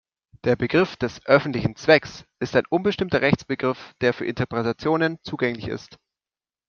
Der Begriff des „öffentlichen Zwecks“ ist ein unbestimmter Rechtsbegriff, der für Interpretationen zugänglich ist.